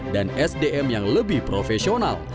dan sdm yang lebih profesional